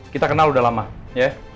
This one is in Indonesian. kita kenal udah lama ya